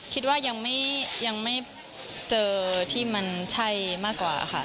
คิดว่ายังไม่เจอที่มันใช่มากกว่าค่ะ